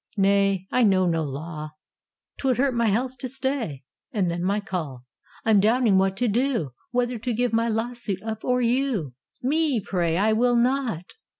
"Nay; I know no law: 't would hurt my health to stay, And then my call." "I'm doubting what to do, Whether to give my lawsuit up or you." "Me, pray!" "I will not."